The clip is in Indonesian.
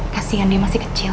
kasian dia masih kecil